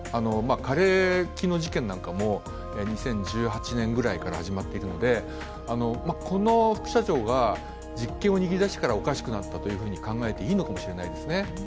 枯れ木の事件なんかも２０１８年から始まっているのでこの副社長が実権を握りだしてからおかしくなったと考えていいかもしれないですね。